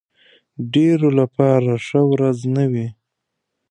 ډېرو لپاره ښه ورځ نه وي.